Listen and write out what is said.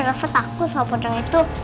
rafa takut sama pocong itu